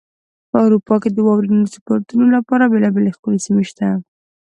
په اروپا کې د واورین سپورتونو لپاره بېلابېلې ښکلې سیمې شته.